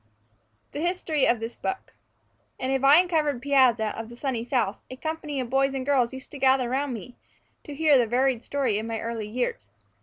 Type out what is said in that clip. THE HISTORY OF THIS BOOK In a vine covered piazza of the sunny South, a company of boys and girls used to gather round me, of a summer evening, to hear the varied story of my early years.